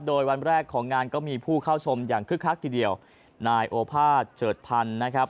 โดยวันแรกของงานก็มีผู้เข้าชมอย่างคึกคักทีเดียวนายโอภาษเฉิดพันธ์นะครับ